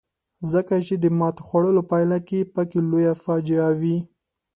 ځکه چې د ماتې خوړلو پایله پکې لویه فاجعه وي.